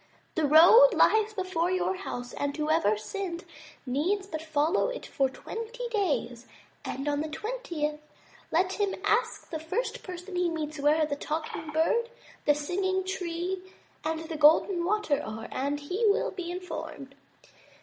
The road lies before your house, and whoever you send needs but follow it for twenty days, and on the twentieth only let him ask the first person he meets where the Talking Bird, the Singing Tree, and the Golden Water are, and he will be informed."